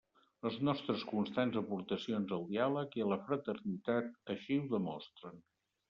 Les nostres constants aportacions al diàleg i a la fraternitat així ho demostren.